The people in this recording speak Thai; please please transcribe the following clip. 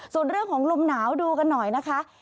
ส่วนเรื่องของลมหนาวดูกันหน่อยนะคะ